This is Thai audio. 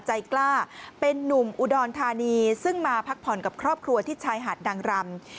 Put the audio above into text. ใจกล้าเป็นนุ่มอุดรธานีซึ่งมาพักผ่อนกับครอบครัวที่ชายหาดนางรำ